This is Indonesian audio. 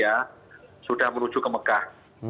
ya sudah menuju ke mekah